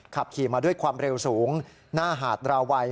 ขับขี่มาด้วยความเร็วสูงหน้าหาดราวัย